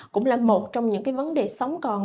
cũng là một trong những vấn đề sống còn